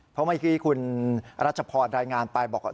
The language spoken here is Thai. เพราะเมื่อกี้คุณรัชพรรายงานไปบอกว่า